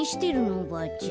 おばあちゃん。